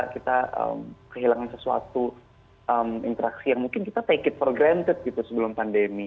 kita kehilangan sesuatu interaksi yang mungkin kita take it for granted gitu sebelum pandemi